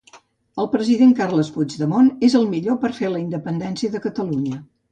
El President Carles Puigdemont és el millor per fer la independència de Catalunya